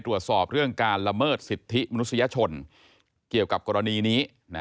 ตรวจสอบเรื่องการละเมิดสิทธิมนุษยชนเกี่ยวกับกรณีนี้